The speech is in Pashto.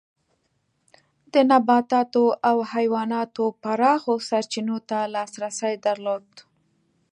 د نباتاتو او حیواناتو پراخو سرچینو ته لاسرسی درلود.